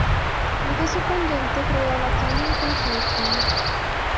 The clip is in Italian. In questo frangente creò la Canyon Consulting.